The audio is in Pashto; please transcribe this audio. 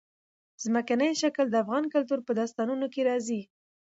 ځمکنی شکل د افغان کلتور په داستانونو کې راځي.